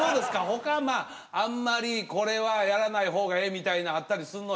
他まああんまりこれはやらないほうがええみたいなんあったりすんの？